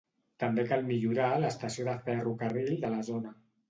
També cal millorar l'estació de ferrocarril de la zona.